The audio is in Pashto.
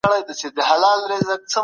تاسي په خپل بدن پام کوئ.